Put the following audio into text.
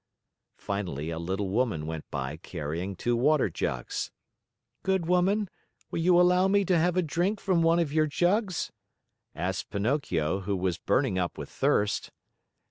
Finally a little woman went by carrying two water jugs. "Good woman, will you allow me to have a drink from one of your jugs?" asked Pinocchio, who was burning up with thirst.